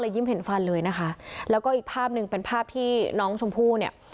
ยิ้มเห็นฟันเลยนะคะแล้วก็อีกภาพหนึ่งเป็นภาพที่น้องชมพู่เนี่ย